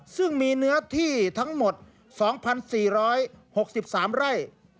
ซึ่งมีเนื้อที่ทั้งหมด๒๔๖๓ไร่